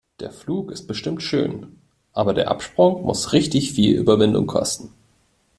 Der Flug ist bestimmt schön, aber der Absprung muss richtig viel Überwindung kosten.